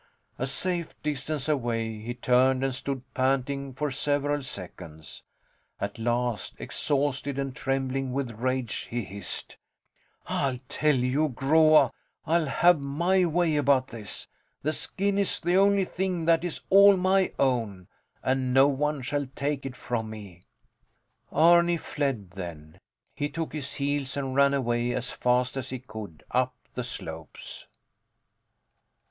A safe distance away, he turned and stood panting for several seconds. At last, exhausted and trembling with rage, he hissed: I tell you, Groa. I'll have my way about this. The skin is the only thing that is all my own, and no one shall take it from me. Arni fled then. He took to his heels, and ran away as fast as he could up the slopes.